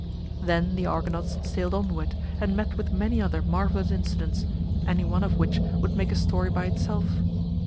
Then the Argonauts sailed onward and met with many other marvelous incidents, any one of which would make a story by itself.